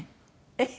えっ？